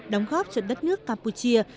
đóng góp cho đất nước campuchia